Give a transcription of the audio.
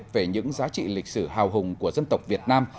về những giá trị lịch sử hào hùng của dân tộc việt nam